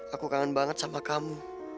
aku kangen banget sama kamu